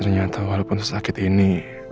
ternyata walaupun sesakit ini